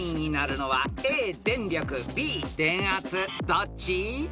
［どっち？］